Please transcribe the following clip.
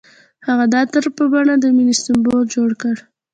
هغه د عطر په بڼه د مینې سمبول جوړ کړ.